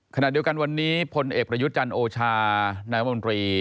ขณะเดียวกันวันนี้พลเอกประยุทธ์จันทร์โอชานายมนตรี